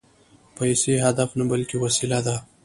پیسې هدف نه، بلکې وسیله ده